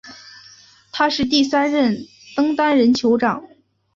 他是第三任登丹人酋长。